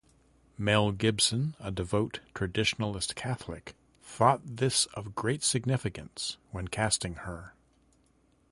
Mel Gibson, a devout Traditionalist Catholic, thought this of great significance when casting her.